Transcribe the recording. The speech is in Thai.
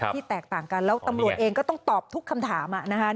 แตกต่างกันแล้วตำรวจเองก็ต้องตอบทุกคำถามนะคะ